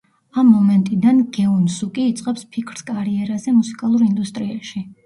ამ მომენტიდან გეუნ სუკი იწყებს ფიქრს კარიერაზე მუსიკალურ ინდუსტრიაში.